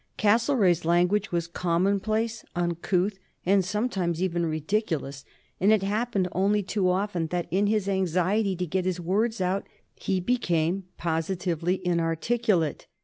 Castlereagh's language was commonplace, uncouth, and sometimes even ridiculous, and it happened only too often that in his anxiety to get his words out he became positively inarticulate.